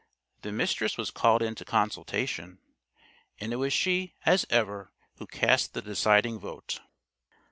The Mistress was called into consultation. And it was she, as ever, who cast the deciding vote.